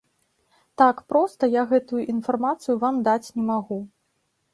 Так проста я гэтую інфармацыю вам даць не магу.